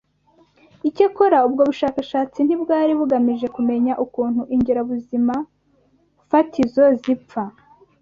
Icyakora ubwo bushakashatsi ntibwari bugamije kumenya ukuntu ingirabuzimafatizo zipfa